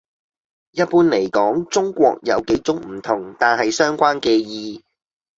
一般嚟講，「中國」有幾種唔同但係相關嘅意